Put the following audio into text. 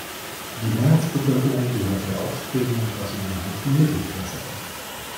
Die Mehrheitsbevölkerung gehört der aufstrebenden brasilianischen Mittelklasse an.